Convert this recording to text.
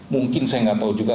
mungkin saya nggak tahu juga